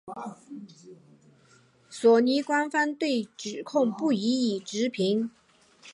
索尼官方对指控不予置评。